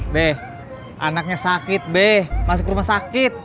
be anaknya sakit be masuk rumah sakit